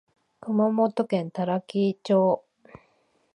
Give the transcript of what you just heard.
熊本県多良木町